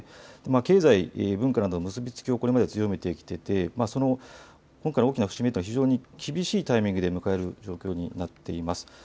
経済、文化など結び付きをこれまで強めてきていて今回の大きな節目というのは非常に厳しいタイミングで迎える状況になっています。